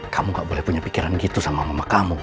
kamu gak boleh punya pikiran gitu sama mama kamu